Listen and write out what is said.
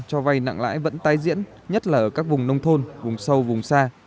cho vay nặng lãi vẫn tái diễn nhất là ở các vùng nông thôn vùng sâu vùng xa